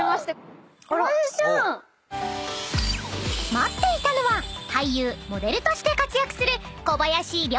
［待っていたのは俳優モデルとして活躍する］